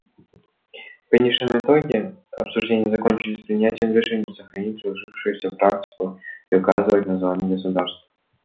В конечном итоге обсуждения закончились принятием решения сохранить сложившуюся практику и указывать названия государств.